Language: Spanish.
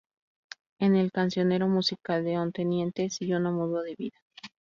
En el Cancionero musical de Onteniente: "Si yo no mudo de vida".